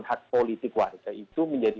hak politik warga itu menjadi